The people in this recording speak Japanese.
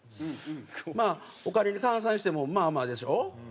まあお金に換算してもまあまあでしょ？